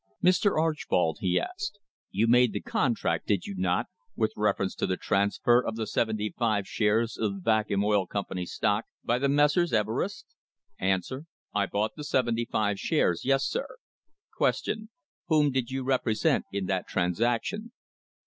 "Mr. Archbold," he asked, "you made the contract, did you not, with reference to the transfer of the seventy five shares of the Vacuum Oil Company's stock by the Messrs. Everest?" A . I bought the seventy five shares, yes, sir. Q. Whom did you represent in that transaction